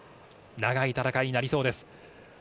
長い戦いになりそうです。